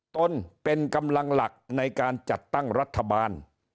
ตนเป็นกำลังหลักในการจัดตั้งรัฐบาล